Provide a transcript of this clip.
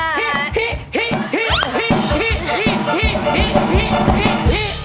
ฮี